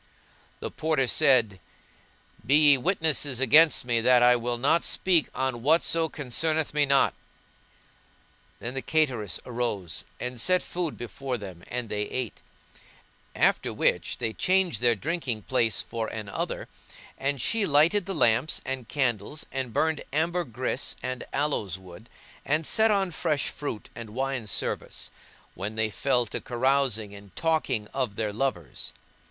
[FN#166] The Porter said, Be ye witnesses against me that I will not speak on whatso concerneth me not." Then the cateress arose, and set food before them and they ate; after which they changed their drinking place for another, and she lighted the lamps and candles and burned ambergris and aloes wood, and set on fresh fruit and the wine service, when they fell to carousing and talking of their lovers.